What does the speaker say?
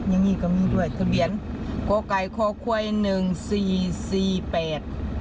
ยังอีกก็มีด้วยเดี๋ยวเรียนก้าวไก่ข้อควัยหนึ่งสี่สี่แปด